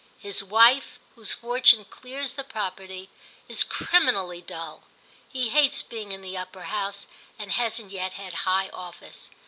His wife, whose fortune clears the property, is criminally dull; he hates being in the Upper House, and hasn't yet had high office.